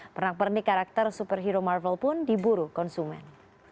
pernah perni karakter superhero marvel pun diburu konsumen